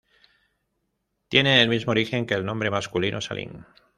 Tiene el mismo origen que el nombre masculino Salim.